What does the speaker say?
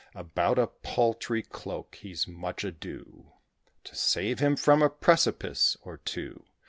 About a paltry cloak. He's much ado To save him from a precipice or two.